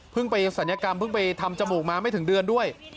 ไปศัลยกรรมเพิ่งไปทำจมูกมาไม่ถึงเดือนด้วย